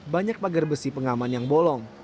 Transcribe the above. banyak pagar besi pengaman yang bolong